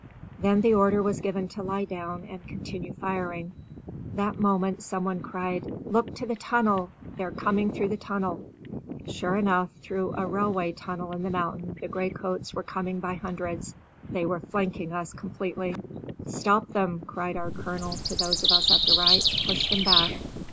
Then the order was given to lie down and continue firing. That moment someone cried, "Look to the tunnel! They're coming through the tunnel." Sure enough, through a railway tunnel in the mountain the gray coats were coming by hundreds. They were flanking us completely. "Stop them!" cried our colonel to those of us at the right. "Push them back."